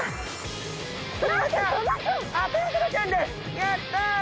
やった！